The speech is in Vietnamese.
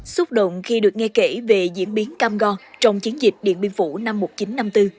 xúc động khi được nghe kể về diễn biến cam go trong chiến dịch điện biên phủ năm một nghìn chín trăm năm mươi bốn